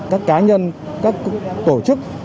các cá nhân các tổ chức